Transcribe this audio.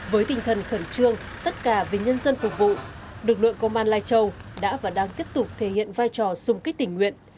với tinh thần khẩn trương tất cả vì nhân dân phục vụ lực lượng công an lai châu đã và đang tiếp tục thể hiện vai trò xung kích tình nguyện